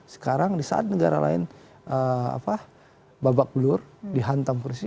sekarang di saat negara lain babak belur dihantam persis